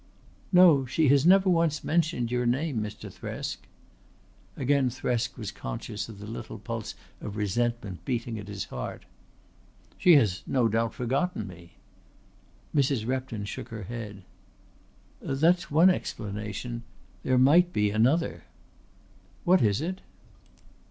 "No, she has never once mentioned your name, Mr. Thresk." Again Thresk was conscious of the little pulse of resentment beating at his heart. "She has no doubt forgotten me." Mrs. Repton shook her head. "That's one explanation. There might be another." "What is it?"